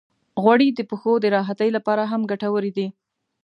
غوړې د پښو د راحتۍ لپاره هم ګټورې دي.